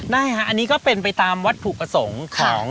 ได้บันนี้ก็เป็นไปตามวัตถุประสงค์